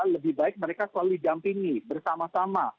lebih baik mereka selalu didampingi bersama sama